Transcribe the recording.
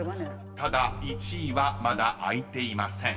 ［ただ１位はまだ開いていません］